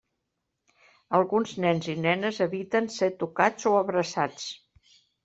Alguns nens i nenes eviten ser tocats o abraçats.